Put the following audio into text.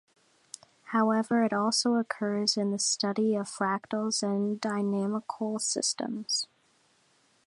However, it also occurs in the study of fractals and dynamical systems.